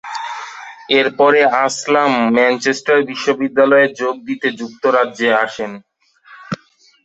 এরপরে আসলাম ম্যানচেস্টার বিশ্ববিদ্যালয়ে যোগ দিতে যুক্তরাজ্যে আসেন।